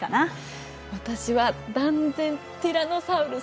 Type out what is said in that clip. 私は断然ティラノサウルス！